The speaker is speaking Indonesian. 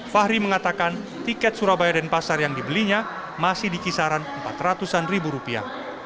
fahri mengatakan tiket surabaya dan pasar yang dibelinya masih di kisaran empat ratus an ribu rupiah